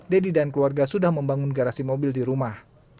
deddy dan keluarga sudah membangun garasi mobil di rumah